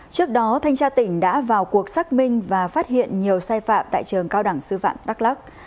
trước đó thanh tra tỉnh đã vào cuộc xác minh và phát hiện nhiều sai phạm tại trường cao đẳng sư phạm đắk lắc